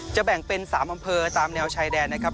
แบ่งเป็น๓อำเภอตามแนวชายแดนนะครับ